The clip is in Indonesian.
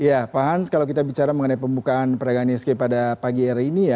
ya pak hans kalau kita bicara mengenai pembukaan perdagangan isg pada pagi hari ini ya